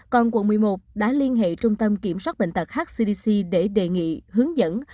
còn quận một mươi một đã liên hệ trung tâm kiểm soát bệnh tật hcdc để đề nghị hướng dẫn